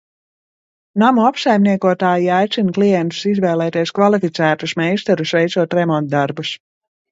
Namu apsaimniekotāji aicina klientus izvēlēties kvalificētus meistarus veicot remontdarbus.